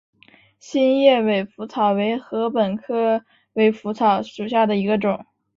心叶尾稃草为禾本科尾稃草属下的一个种。